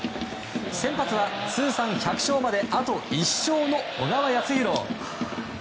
先発は通算１００勝まであと１勝の小川泰弘。